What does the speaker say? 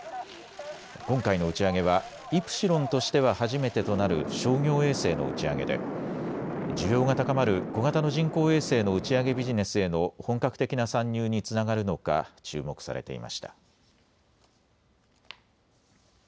今回の打ち上げはイプシロンとしては初めてとなる商業衛星の打ち上げで需要が高まる小型の人工衛星の打ち上げビジネスへの本格的な参入につながるのか注目されていました。